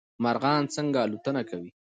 مارغان څنګه الوتنې کوی